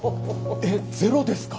えっゼロですか？